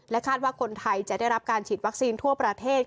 คาดว่าคนไทยจะได้รับการฉีดวัคซีนทั่วประเทศ